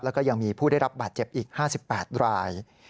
แล้วก็ยังมีผู้ได้รับบาดเจ็บอีก๕๘ราย